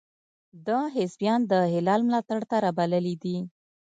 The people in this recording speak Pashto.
ده حزبیان د هلال ملاتړ ته را بللي دي.